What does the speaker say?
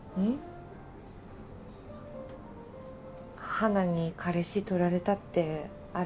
花に彼氏取られたってあれ？